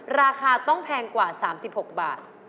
ราคาต้องแพงกว่า๓๖บาท